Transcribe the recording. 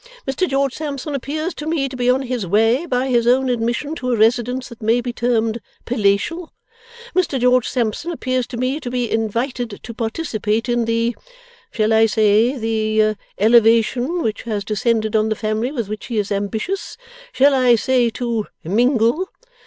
Mr George Sampson appears to me to be on his way, by his own admission, to a residence that may be termed Palatial. Mr George Sampson appears to me to be invited to participate in the shall I say the Elevation which has descended on the family with which he is ambitious, shall I say to Mingle?